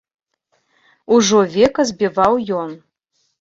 Ужо века збіваў ён.